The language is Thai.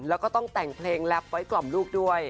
แล้วก็ต้องแต่งเพลงแลปไว้กล่อมลูกด้วย